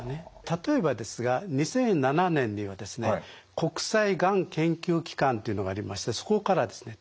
例えばですが２００７年にはですね国際がん研究機関というのがありましてそこからですね